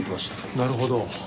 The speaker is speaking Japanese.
なるほど。